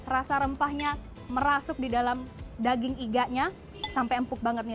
rasa rempahnya merasuk di dalam daging iganya sampai empuk banget nih